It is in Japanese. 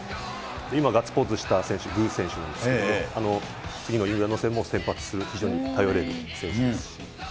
今ガッツポーズした選手、具選手なんですけども、次のイングランド戦も先発する非常に頼れる選手ですし。